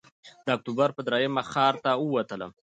د اکتوبر پر درېیمه ښار ته ووتلم.